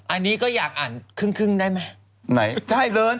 อันนี้ก็อยากอ่านครึ่งได้ไหม